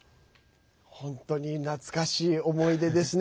本当に懐かしい思い出ですね。